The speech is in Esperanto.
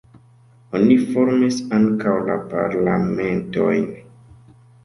Oni formis ankaŭ la Parlamentojn.